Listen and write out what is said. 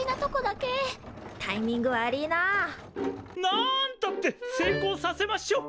なんたって成功させましょう！